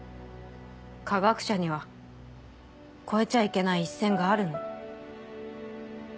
科学者には越えちゃいけない一線があるの。